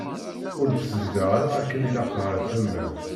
Ur d-tbeddeḍ ara akken ilaq ɣer tama-w.